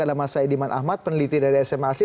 ada mas aidiman ahmad peneliti dari sma asri